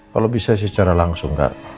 kalau bisa sih secara langsung kak